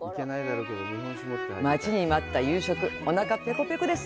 待ちに待った夕食、お腹ペコペコです。